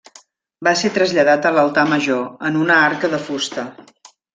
Va ser traslladat a l'altar major, en una arca de fusta.